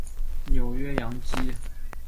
纽约洋基